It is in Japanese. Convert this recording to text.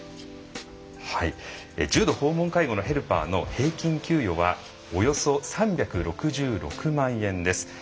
重度訪問介護のヘルパーの平均給与はおよそ３６６万円です。